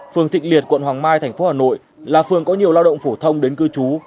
phường thịnh liệt quận hoàng mai thành phố hà nội là phường có nhiều lao động phổ thông đến cư trú